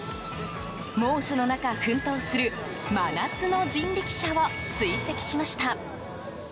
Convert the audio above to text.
猛暑の中、奮闘する真夏の人力車を追跡しました。